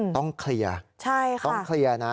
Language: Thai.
ต้องเคลียร์ต้องเคลียร์นะ